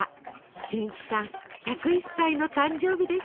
俊一さん１０１歳の誕生日です。